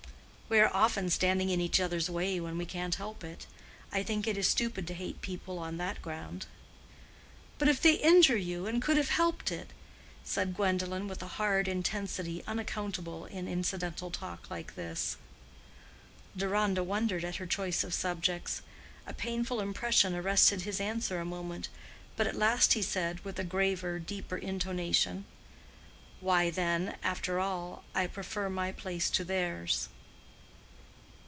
"We are often standing in each other's way when we can't help it. I think it is stupid to hate people on that ground." "But if they injure you and could have helped it?" said Gwendolen with a hard intensity unaccountable in incidental talk like this. Deronda wondered at her choice of subjects. A painful impression arrested his answer a moment, but at last he said, with a graver, deeper intonation, "Why, then, after all, I prefer my place to theirs."